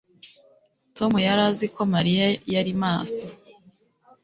Tom yari azi ko Mariya yari maso